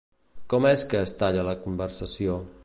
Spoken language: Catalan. Com és que es talla la conversació?